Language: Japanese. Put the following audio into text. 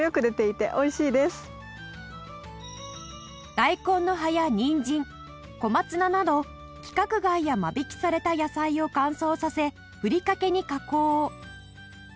大根の葉や人参小松菜など規格外や間引きされた野菜を乾燥させふりかけに加工